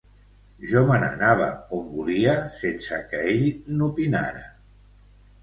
Jo me n'anava on volia sense que ell n'opinara.